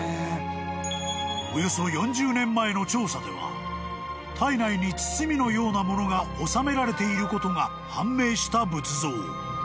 ［およそ４０年前の調査では胎内に包みのようなものが納められていることが判明した仏像］